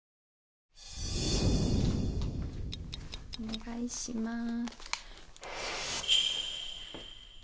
お願いします。